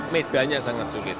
medanya sangat sulit